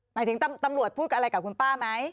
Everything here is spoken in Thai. หมายถึงตำรวจพูดอะไรกับคุณป้าไหม